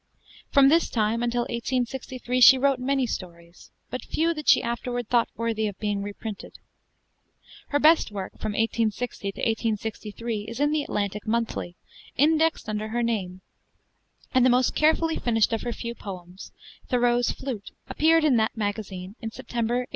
From this time until 1863 she wrote many stories, but few that she afterward thought worthy of being reprinted. Her best work from 1860 to 1863 is in the Atlantic Monthly, indexed under her name; and the most carefully finished of her few poems, 'Thoreau's Flute,' appeared in that magazine in September, 1863.